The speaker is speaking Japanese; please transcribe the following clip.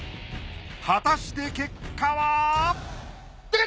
果たして結果は！？